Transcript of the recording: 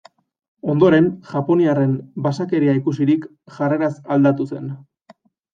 Ondoren, japoniarren basakeria ikusirik, jarreraz aldatu zen.